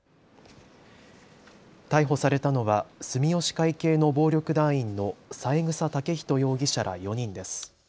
逮捕されたのは住吉会系の暴力団員の三枝丈人容疑者ら４人です。